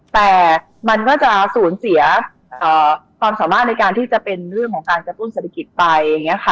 แต่มันก็จะสูญเสียความสามารถในการที่จะเป็นเรื่องของการกระตุ้นศักดิกิตไป